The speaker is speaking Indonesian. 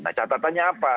nah catatannya apa